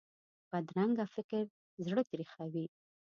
بدرنګه فکر زړه تریخوي